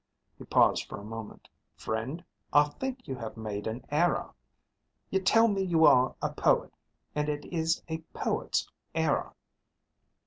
He paused for a moment. "Friend, I think you have made an error; you tell me you are a poet, and it is a poet's error.